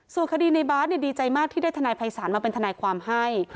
ส่วนคดีในบาสดีใจมากที่ได้ทนายภัยศาลมาเป็นทนายความให้